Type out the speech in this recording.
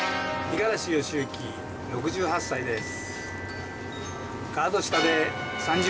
五十嵐義幸６８歳です。